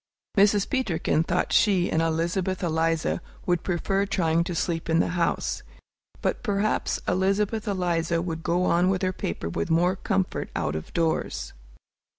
Mrs. Peterkin thought she and Elizabeth Eliza would prefer trying to sleep in the house. But perhaps Elizabeth Eliza would go on with her paper with more comfort out of doors.